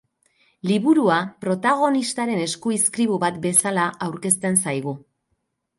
Liburua protagonistaren eskuizkribu bat bezala aurkezten zaigu.